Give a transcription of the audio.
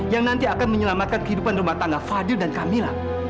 yang nanti akan menyelamatkan kehidupan rumah tangga fadil dan camilla